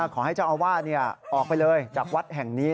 ขอให้เจ้าอาวาสออกไปเลยจากวัดแห่งนี้